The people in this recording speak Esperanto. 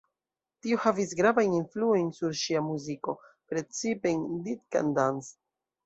Tio havis gravajn influojn sur ŝia muziko, precipe en "Dead Can Dance".